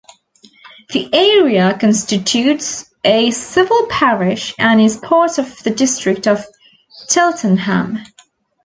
The area constitutes a civil parish and is part of the district of Cheltenham.